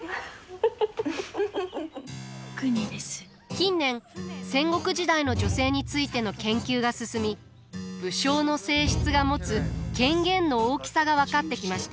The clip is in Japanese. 近年戦国時代の女性についての研究が進み武将の正室が持つ権限の大きさが分かってきました。